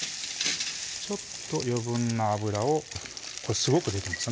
ちょっと余分な油をこれすごく出てます